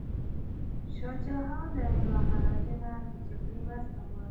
شاه شجاع له مهاراجا نه د جګړې مرسته غواړي.